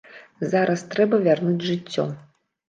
Зараз трэба вярнуць жыццё.